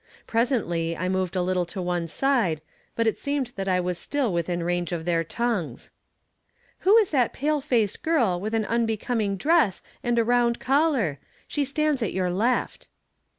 Presently I moved a little to one side, but it seemed that I was stm within range of their tongues. " Who is that pale faced young girl with an unbecoming dress and a round collar? She stands at your left."